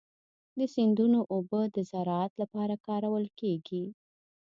د سیندونو اوبه د زراعت لپاره کارول کېږي.